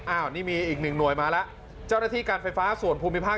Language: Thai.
อ้าวนี่มีอีกหนึ่งหน่วยมาแล้วเจ้าหน้าที่การไฟฟ้าส่วนภูมิภาค